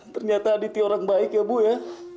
ternyata aditi orang baik ya bu ya